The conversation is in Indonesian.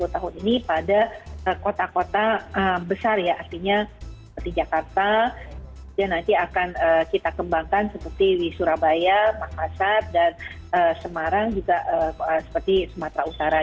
tahun ini pada kota kota besar ya artinya seperti jakarta nanti akan kita kembangkan seperti di surabaya makassar dan semarang juga seperti sumatera utara